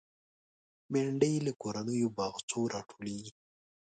بېنډۍ له کورنیو باغچو راټولېږي